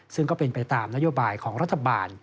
ซึ่งก็เป็นไปตามนโยบายของรัฐบาล